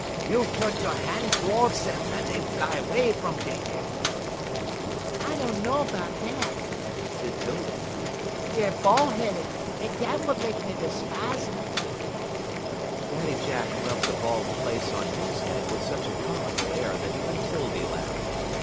"You flut you' han' toze um dey fly 'way fum dey dey." "I dunno 'bout dat," said 'Tildy. "Deyer bal' headed, en dat w'at make me 'spize um." Daddy Jack rubbed the bald place on his head with such a comical air that even 'Tildy laughed.